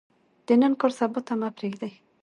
د نن کار سبا ته مه پریږدئ